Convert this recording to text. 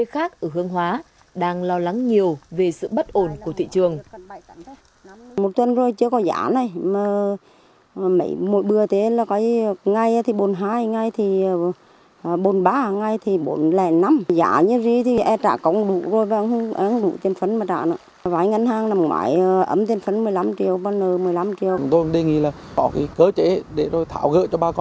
cà phê khác ở hướng hóa đang lo lắng nhiều về sự bất ổn của thị trường